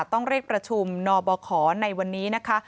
ต้องเรียกประชุมนบขในวันนี้นะคะ